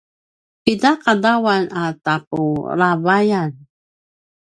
pida qadawan a tapulavayan?